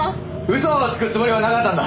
嘘をつくつもりはなかったんだ。